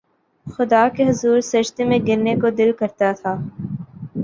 خدا کے حضور سجدے میں گرنے کو دل کرتا تھا